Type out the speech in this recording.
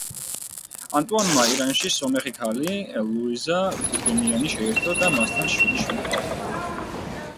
ანტუანმა ირანში სომეხი ქალი, ლუიზე გურგენიანი შეირთო და მასთან შვიდი შვილი ჰყავდა.